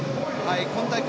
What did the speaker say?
今大会